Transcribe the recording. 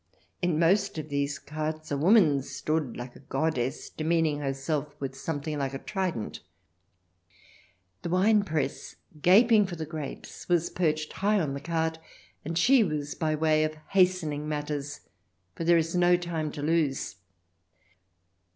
In most of these carts a woman stood, like a goddess, demeaning herself with something like a trident. The wine press, gaping for the grapes, was perched high on the cart, and she was by way of hastening matters, for there is no time to lose.